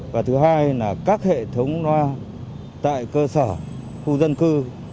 và thứ hai là các hệ thống loa tại cơ sở khu dân cư